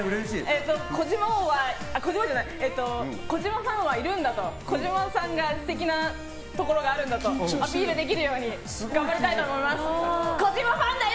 児嶋ファンはいるんだと素敵なところがあるんだとアピールできるように頑張りたいと思います！